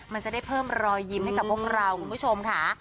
มันจะได้เพิ่มรอยยิ้มให้กับพวกเราคุณผู้ชมค่ะ